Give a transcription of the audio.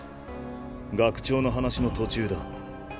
学長の話の途中だ。